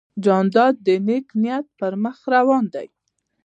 جانداد د نیک نیت پر مخ روان دی.